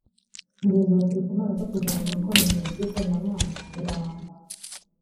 Inzozi za Turikumana zo kuzaba umuntu ukomeye mu by’ikoranabuhanga zirahambaye